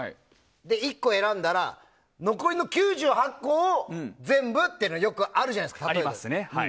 １個選んだら残りの９８個を全部っていうのがよくあるじゃないですか。